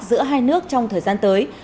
giữa hai nước trong thời gian tới